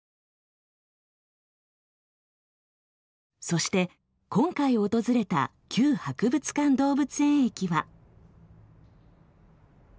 そして今回訪れた旧博物館動物園駅は。